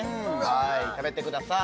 はい食べてください